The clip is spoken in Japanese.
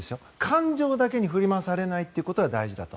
感情だけに振り回されないということが大事だと。